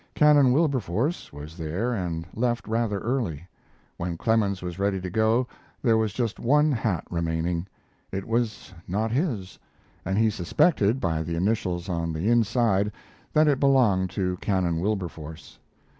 Canon Wilberforce was there and left rather early. When Clemens was ready to go there was just one hat remaining. It was not his, and he suspected, by the initials on the inside, that it belonged to Canon Wilberforce.